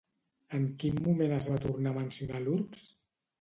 En quin moment es va tornar a mencionar l'urbs?